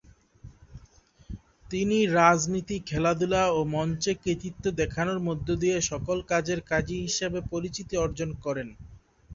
তিনি রাজনীতি, খেলাধুলা ও মঞ্চে কৃতিত্ব দেখানোর মধ্য দিয়ে "সকল কাজের কাজী" হিসেবে পরিচিতি অর্জন করেন।